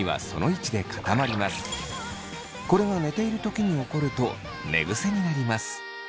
これが寝ている時に起こると寝ぐせになります。